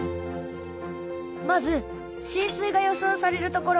まず浸水が予想される所。